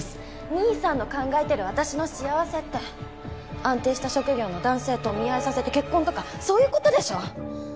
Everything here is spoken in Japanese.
兄さんの考えてる私の幸せって安定した職業の男性とお見合いさせて結婚とかそういう事でしょ！？